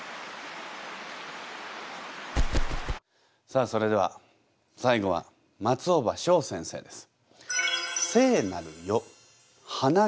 さあそれでは最後は松尾葉翔先生です。